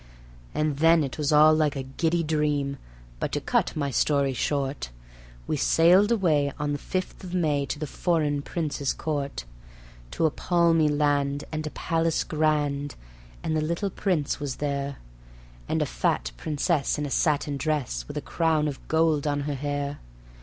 And then it was all like a giddy dream; but to cut my story short, We sailed away on the fifth of May to the foreign Prince's court; To a palmy land and a palace grand, and the little Prince was there, And a fat Princess in a satin dress with a crown of gold on her hair.